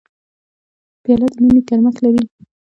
پیاله د مینې ګرمښت لري.